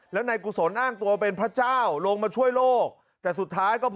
แล้วนายกุศลอ้างตัวเป็นพระเจ้าลงมาช่วยโลก